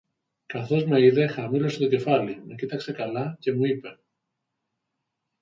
Καθώς με είδε, χαμήλωσε το κεφάλι, με κοίταξε καλά και μου είπε: